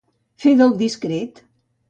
Fer del discret.